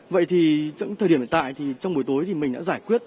vậy thì thời điểm hiện tại thì trong buổi tối thì mình đã giải quyết